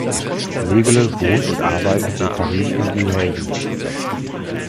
Nägele wohnt und arbeitet in Paris und New Haven.